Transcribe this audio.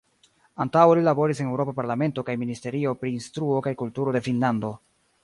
Antaŭe li laboris en Eŭropa Parlamento kaj ministerio pri instruo kaj kulturo de Finnlando.